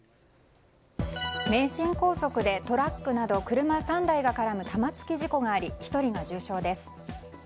名神高速でトラックなど車３台が絡む玉突き事故があり１人が重傷です。